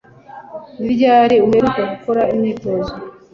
Ni ryari uheruka gukora imyitozo